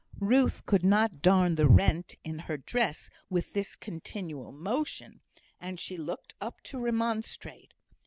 Ruth could not darn the rent in her dress with this continual motion, and she looked up to remonstrate.